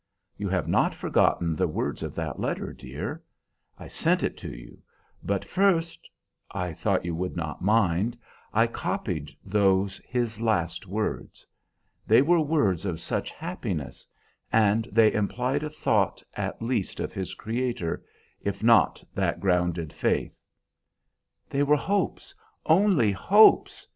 You have not forgotten the words of that letter, dear? I sent it to you, but first I thought you would not mind I copied those, his last words. They were words of such happiness; and they implied a thought, at least, of his Creator, if not that grounded faith" "They were hopes, only hopes!"